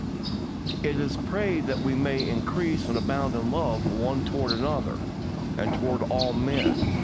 It is prayed that we may "increase and abound in love one toward another, and toward all men...